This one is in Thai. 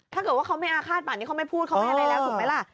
ถ้าเกิดว่าเขาไม่อาฆาตป่านนี้เขาไม่พูดเขาไม่อะไรแล้วถูกไหมล่ะ